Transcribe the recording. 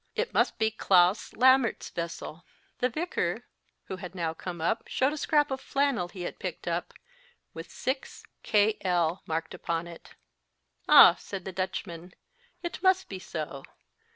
It must be Klaas Lammerts s vessel. The vicar, who had now come up, showed a scrap of flannel he had picked up, with * 6. K. L. marked upon it. Ah ! said the Dutchman, it must be so.